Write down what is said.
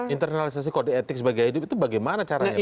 internalisasi kode etik sebagai hidup itu bagaimana caranya